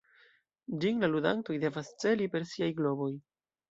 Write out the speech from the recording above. Ĝin la ludantoj devas celi per siaj globoj.